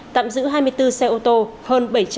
tạm giữ hai mươi bốn xe ô tô hơn